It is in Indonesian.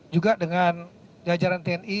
juga dengan jajaran tni